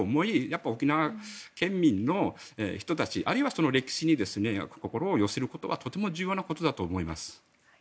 やっぱり、沖縄県民の人たちあるいはその歴史に心を寄せることはとても重要なことだと思います。